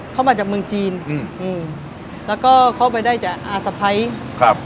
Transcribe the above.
เขามาจากเมืองจีนอืมอืมแล้วก็เข้าไปได้จากอาสะพ้ายครับ